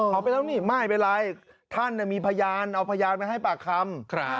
เอาไปแล้วนี่ไม่เป็นไรท่านมีพยานเอาพยานมาให้ปากคำ